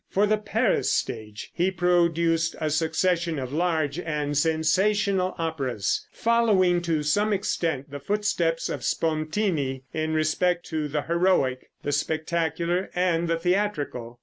For the Paris stage he produced a succession of large and sensational operas, following to some extent the footsteps of Spontini, in respect to the heroic, the spectacular and the theatrical.